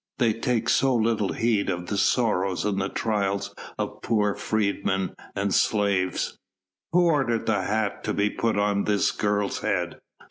They take so little heed of the sorrows and the trials of poor freedmen and slaves! "Who ordered the hat to be put on this girl's head?"